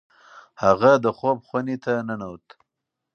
هغه د خوب خونې ته ننوت.